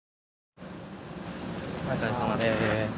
お疲れさまです。